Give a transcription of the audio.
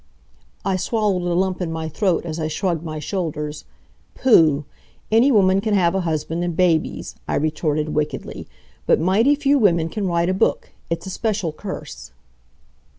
I swallowed a lump in my throat as I shrugged my shoulders. "Pooh! Any woman can have a husband and babies," I retorted, wickedly. "But mighty few women can write a book. It's a special curse."